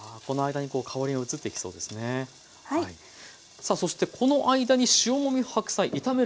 さあそしてこの間に塩もみ白菜炒める